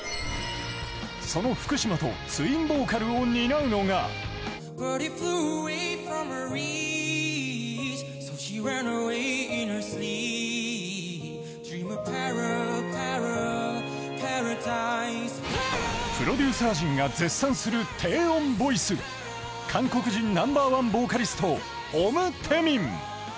その福嶌とツインボーカルを担うのがプロデューサー陣が絶賛する低音ボイス、韓国人ナンバーワンボーカリストオム・テミン。